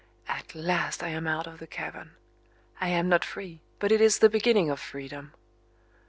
At last I am out of the cavern. I am not free, but it is the beginning of freedom.